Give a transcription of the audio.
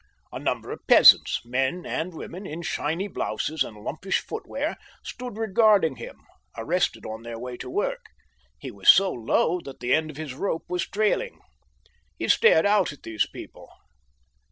A number of peasants, men and women, in shiny blouses and lumpish footwear, stood regarding him, arrested on their way to work. He was so low that the end of his rope was trailing. He stared out at these people.